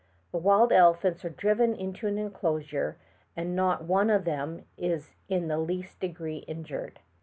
The wild elephants are driven into an enelosure and not one of them is in the least degree injured.